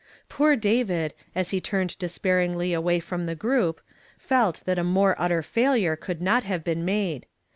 Poor David, as he turned desijairingly away from the group, felt that a more utter faihire could not have been made.